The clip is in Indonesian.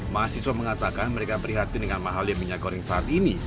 mahasiswa mengatakan mereka prihatin dengan mahalnya minyak goreng saat ini